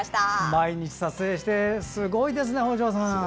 毎日撮影してすごいですね、北條さん。